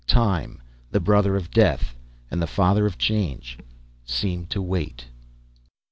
Time, the Brother of Death, and the Father of Change, seemed to wait....